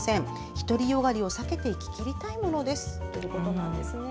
独り善がりを避けて生き切りたいものですということです。